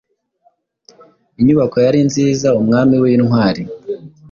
Inyubako yari nzizaumwami wintwari